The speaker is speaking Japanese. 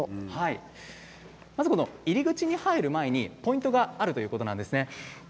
まず入り口に入る前にポイントがあるということなんですね。